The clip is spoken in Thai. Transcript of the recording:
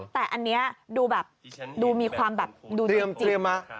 แต่อันนี้ดูแบบดูมีความแบบดูเตรียมจริง